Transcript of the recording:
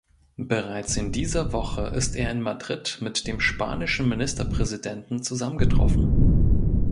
Bereits in dieser Woche ist er in Madrid mit dem spanischen Ministerpräsidenten zusammengetroffen.